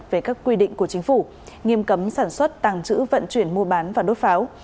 về các quy định của chính phủ nghiêm cấm sản xuất tàng trữ vận chuyển mua bán và đốt pháo